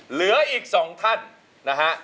เหลืออีก๒ท่าน